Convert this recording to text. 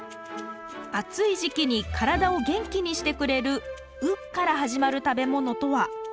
暑い時期に体を元気にしてくれる「う」から始まる食べ物とは？